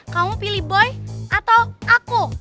kamu pilih boy atau aku